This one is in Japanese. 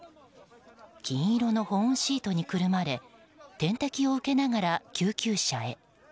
金色の保温シートにくるまれ点滴を受けながら救急車へ。